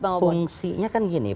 ya fungsinya kan gini